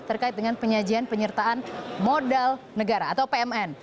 terkait dengan penyajian penyertaan modal negara atau pmn